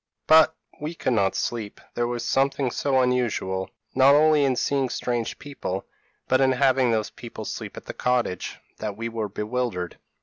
p> "But we could not sleep; there was something so unusual, not only in seeing strange people, but in having those people sleep at the cottage, that we were bewildered.